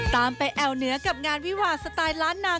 ตามไปแอวเหนือกับงานวิวาสไตล์ล้านนา